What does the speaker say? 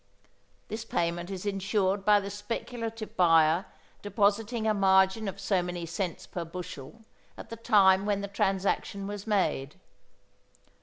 This payment is insured by the speculative buyer depositing a margin of so many cents per bushel at the time when the transaction was made.